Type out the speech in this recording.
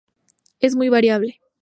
Es muy variable.